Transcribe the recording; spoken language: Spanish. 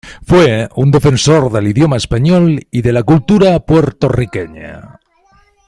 Fue un defensor del idioma español y de la cultura puertorriqueña.